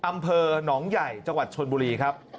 อำเภอหนองใหญ่จังหวัดชนบุรีครับ